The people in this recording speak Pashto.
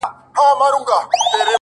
ستا خــوله كــي ټــپه اشــنا’